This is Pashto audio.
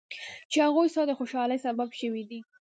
چې هغوی ستا د خوشحالۍ سبب شوي دي.